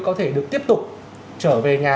có thể được tiếp tục trở về nhà